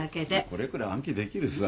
これくらい暗記できるさ。